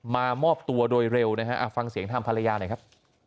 มามอบตัวโดยเร็วนะฮะฟังเสียงทางภรรยาหน่อยครับ